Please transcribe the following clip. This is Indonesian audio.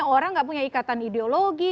orang gak punya ikatan ideologi